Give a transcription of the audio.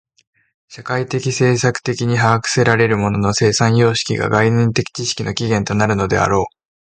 社会的制作的に把握せられる物の生産様式が概念的知識の起源となるのであろう。